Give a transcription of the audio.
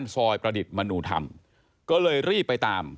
ซอยประดิษฐ์มนุธรรมก็เลยรีบไปตาม